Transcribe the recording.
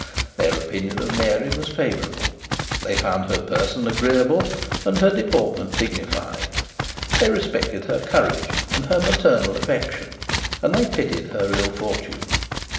Their opinion of Mary was favourable. They found her person agreeable and her deportment dignified. They respected her courage and her maternal affection; and they pitied her ill fortune.